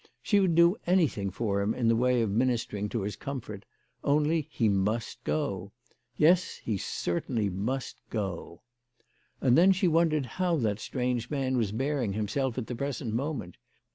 She would do anything for him. in the way of minister ing to his comfort, only he must go ! Yes, he cer tainly must go ! And then she wondered how that strange man was bearing himself at the present moment.